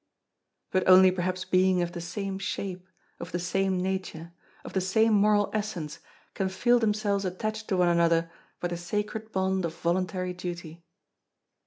But only perhaps beings of the same shape, of the same nature, of the same moral essence can feel themselves attached to one another by the sacred bond of voluntary duty.